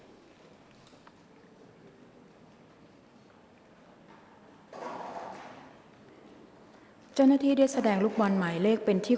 กรรมการท่านที่ห้าได้แก่กรรมการใหม่เลขเก้า